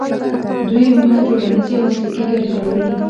دوی موږ ته ټولنیزې او مسلکي ګټې راوړي.